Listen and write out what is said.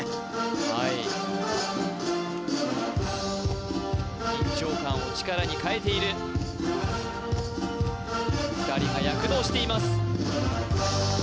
はい緊張感を力に変えている２人が躍動しています